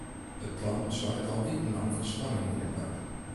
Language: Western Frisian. It plan soarget al wikenlang foar spanning yn it doarp.